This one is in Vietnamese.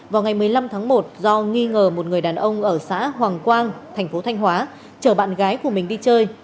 vào ngày một mươi năm tháng một do nghi ngờ một người đàn ông ở xã hoàng quang thành phố thanh hóa chở bạn gái của mình đi chơi